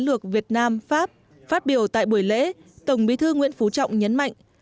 lược việt nam pháp phát biểu tại buổi lễ tổng bí thư nguyễn phú trọng nhấn mạnh